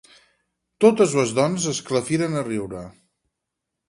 Totes les dones esclafiren a riure.